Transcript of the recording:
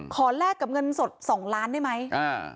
แลกกับเงินสดสองล้านได้ไหม